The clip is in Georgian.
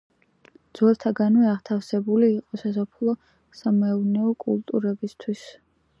ძველთაგანვე ათვისებული იყო სასოფლო-სამეურნეო კულტურებისთვის.